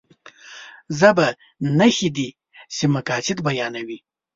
ژبه نښې دي چې مقاصد بيانوي.